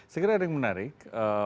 saya kira ada yang menarik